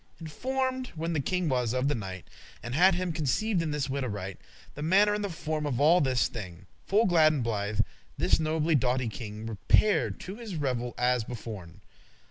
Informed when the king was of the knight, And had conceived in his wit aright The manner and the form of all this thing, Full glad and blithe, this noble doughty king Repaired to his revel as beforn.